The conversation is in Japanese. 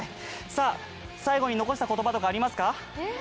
さあ最後に残した言葉とかありますか？